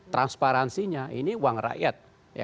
transparansinya ini uang rakyat